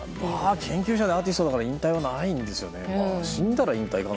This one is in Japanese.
研究者でアーティストだから引退はないんじゃないんですかね。